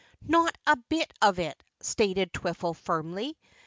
"Not a bit of it," stated Twiffle firmly.